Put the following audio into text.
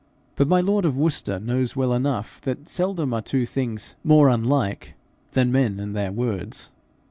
But my lord of Worcester knows well enough that seldom are two things more unlike than men and their words.